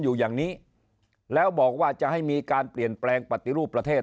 อยู่อย่างนี้แล้วบอกว่าจะให้มีการเปลี่ยนแปลงปฏิรูปประเทศ